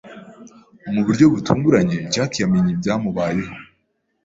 Mu buryo butunguranye, Jack yamenye ibyamubayeho.